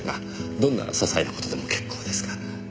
どんな些細な事でも結構ですが。